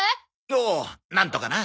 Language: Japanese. おうなんとかな。